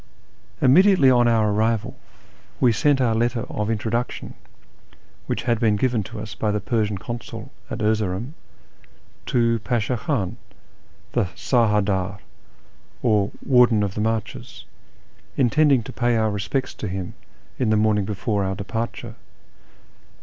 Immediately on our arrival we sent our letter of introduc tion, which had been given to us by the Persian Consul at Erzeroum, to Pasha Khan, the sar hadd ddr, or Warden of the Marches, intending to pay our respects to him in the morning before our departure.